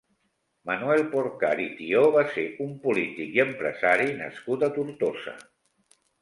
Manuel Porcar i Tió va ser un polític i empresari nascut a Tortosa.